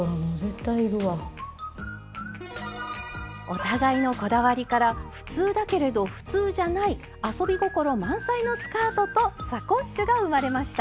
お互いのこだわりから普通だけれど普通じゃない遊び心満載のスカートとサコッシュが生まれました。